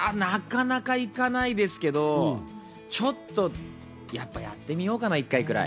なかなか行かないですけど、ちょっとやってみようかな、１回ぐらい。